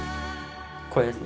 これですね。